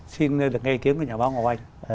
xin được nghe ý kiến của nhà báo ngọc anh